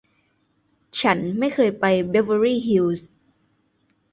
ฉันไม่เคยไปบีเวอร์ลี่ฮิลส์